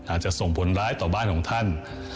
อาจจะส่งผลร้ายต่อบ้านของท่าน